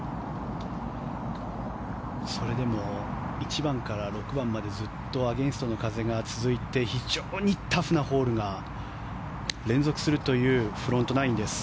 それでも１番から６番までずっとアゲンストの風が続いて非常にタフなホールが連続するというフロントナインです。